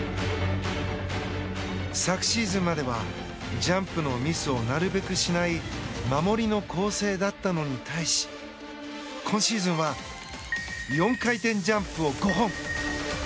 昨シーズンまではジャンプのミスをなるべくしない守りの構成だったのに対し今シーズンは４回転ジャンプを５本。